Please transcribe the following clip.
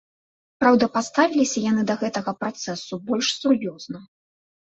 Праўда паставіліся яны да гэтага працэсу больш сур'ёзна.